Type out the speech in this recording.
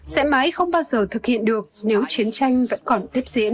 sẽ mãi không bao giờ thực hiện được nếu chiến tranh vẫn còn tiếp diễn